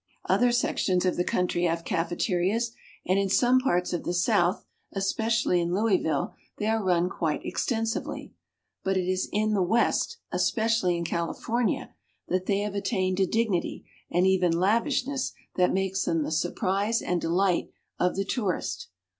Other sections of the country have cafeterias and in some parts of the South, especially in Louisville, they are run quite extensively. But it is in the West, especially in California, that they have attained a dignity and even lavishness that makes them the surprise and delight of the tourist.